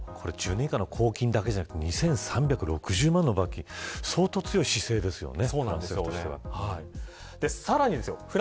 １０年以下の拘禁だけじゃなくて２３６０万円の罰金相当強い姿勢ですよね。